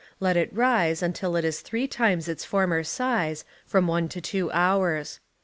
Let it rise until it is three times its former size, from one to two hours.